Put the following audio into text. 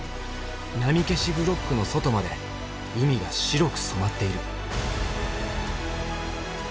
波消しブロックの外まで海が白く染まっている。